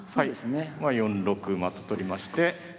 まあ４六馬と取りまして。